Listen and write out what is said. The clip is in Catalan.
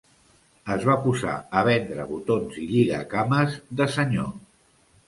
Es va posar a vendre botons i lligacames de senyor.